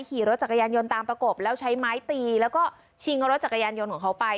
ขี่รถจักรยานยนต์ตามประกบแล้วใช้ไม้ตีแล้วก็ชิงรถจักรยานยนต์ของเขาไป